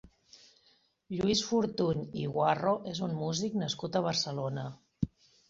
Lluís Fortuny i Guarro és un músic nascut a Barcelona.